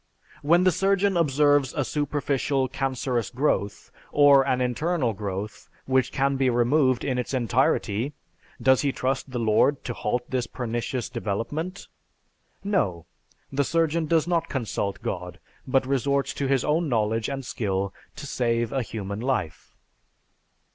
When the surgeon observes a superficial cancerous growth, or an internal growth which can be removed in its entirety, does he trust to the Lord to halt this pernicious development? No, the surgeon does not consult God, but resorts to his own knowledge and skill to save a human life.